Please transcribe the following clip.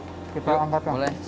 yuk kita angkatkan boleh siap upah